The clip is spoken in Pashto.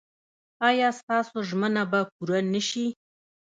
ایا ستاسو ژمنه به پوره نه شي؟